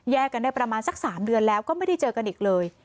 กันได้ประมาณสัก๓เดือนแล้วก็ไม่ได้เจอกันอีกเลย